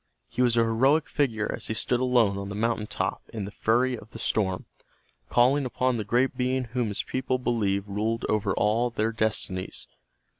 He was a heroic figure as he stood alone on the mountain top in the fury of the storm, calling upon the great being whom his people believed ruled over all their destinies.